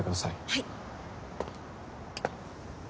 はい。